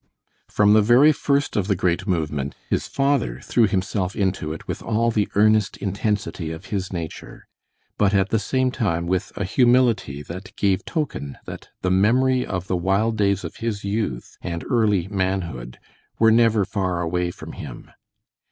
From the very first of the great movement his father threw himself into it with all the earnest intensity of his nature, but at the same time with a humility that gave token that the memory of the wild days of his youth and early manhood were never far away from him.